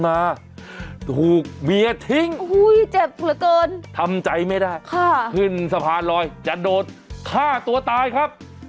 ลงบอกเพื่อนบอกว่ามีอะไรเดี๋ยวคุยกันให้ลงตรงนู้นป่ะ